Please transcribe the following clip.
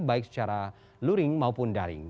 baik secara luring maupun daring